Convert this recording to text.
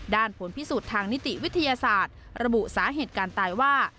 ผลพิสูจน์ทางนิติวิทยาศาสตร์ระบุสาเหตุการตายว่า